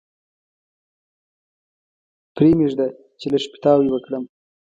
پرې مېږده چې لږ پیتاوی وکړم.